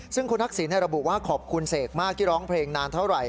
ซึ่งคุณทักษิณระบุว่าขอบคุณเสกมากที่ร้องเพลงนานเท่าไหร่